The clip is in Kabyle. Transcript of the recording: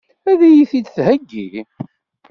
Ad iyi-t-id-theggi?